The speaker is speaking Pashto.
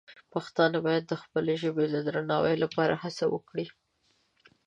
پښتانه باید د خپلې ژبې د درناوي لپاره هڅه وکړي.